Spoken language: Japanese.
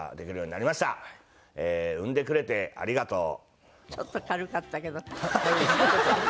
産んでくれてありがとう。